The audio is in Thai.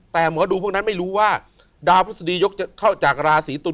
แต่หมอดูพวกนั้นไม่รู้ว่าดาวพฤษฎียกจะเข้าจากราศีตุล